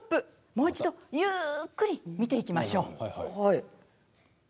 もう一度ゆっくり見ていきましょう。